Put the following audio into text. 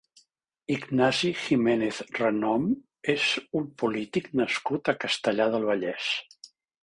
Ignasi Giménez Renom és un polític nascut a Castellar del Vallès.